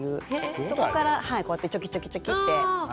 そこからこうやってチョキチョキって選んで。